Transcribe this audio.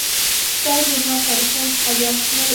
دا ژورنال تاریخي او انتقادي اړخونه څیړي.